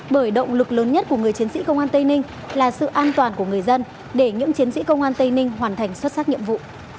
bởi động lực lớn nhất của người chiến sĩ công an tây ninh là sự an toàn của người dân để những chiến sĩ công an tây ninh hoàn thành xuất sắc nhiệm vụ